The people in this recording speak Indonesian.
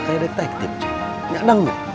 kayak detektif cenk gak deng tuh